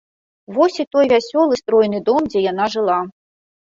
Вось і той вясёлы стройны дом, дзе яна жыла.